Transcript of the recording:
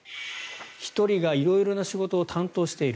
１人が色々な仕事を担当している。